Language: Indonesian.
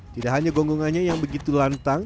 tidak hanya gonggongannya yang begitu lantang